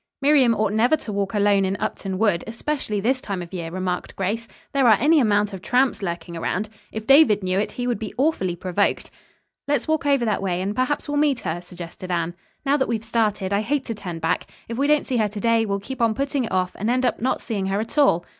"Miriam ought never to walk, alone, in Upton Wood, especially this time of year," remarked Grace. "There are any amount of tramps lurking around. If David knew it he would be awfully provoked." "Let's walk over that way, and perhaps we'll meet her," suggested Anne. "Now that we've started, I hate to turn back. If we don't see her to day, we'll keep on putting it off and end up by not seeing her at all."